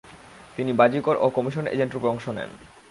তিনি বাজিকর ও কমিশন এজেন্টরূপে অংশ নেন।